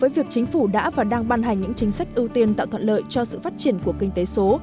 và đang ban hành những chính sách ưu tiên tạo thuận lợi cho sự phát triển của kinh tế số